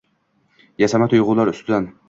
Yasama tuyg’ular ustidan.